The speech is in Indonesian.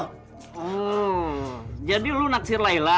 hmm jadi lu naksir layla